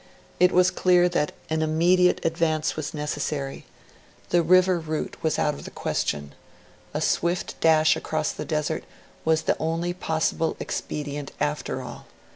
It was clear that an immediate advance was necessary; the river route was out of the question; a swift dash across the desert was the only possible expedient after all.